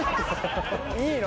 ・いいの？